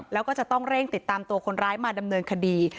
แล้วก็จะต้องเร่งติดตามตัวคนร้ายมาดำเนินคดี